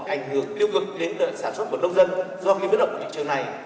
ảnh hưởng tiêu cực đến sản xuất của nông dân do cái biến động của thị trường này